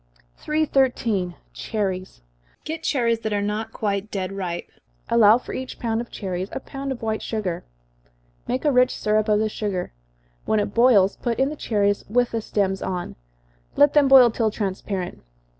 313. Cherries. Procure cherries that are not quite dead ripe allow for each pound of cherries a pound of white sugar. Make a rich syrup of the sugar when it boils, put in the cherries, with the stems on let them boil till transparent.